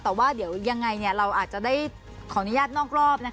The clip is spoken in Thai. แต่ว่าเดี๋ยวยังไงเราอาจจะได้ขออนุญาตนอกรอบ